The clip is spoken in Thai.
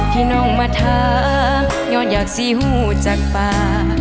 ที่น้องมาท้าย้อนหยากสิหูจากป่า